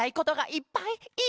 いっぱい！